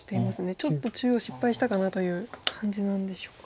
ちょっと中央失敗したかなという感じなんでしょうか。